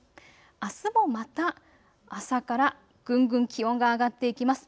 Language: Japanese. あすもまた朝からぐんぐん気温が上がっていきます。